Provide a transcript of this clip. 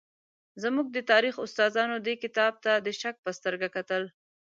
زموږ د تاریخ استادانو دې کتاب ته د شک په سترګه کتل.